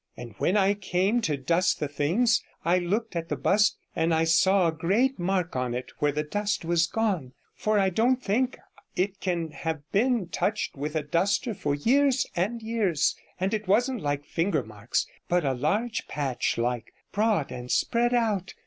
And when I came to dust the things, I looked at the bust, and I saw a great mark on it where the dust was gone, for I don't think it can have been touched with a duster for years and years, and it wasn't like finger marks, but a large patch like, broad and spread out.